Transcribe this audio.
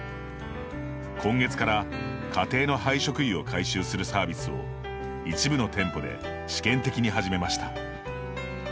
今月から、家庭の廃食油を回収するサービスを一部の店舗で試験的に始めました。